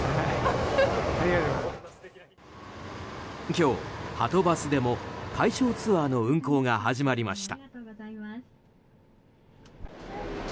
今日、はとバスでも対象ツアーの運行が始まりました。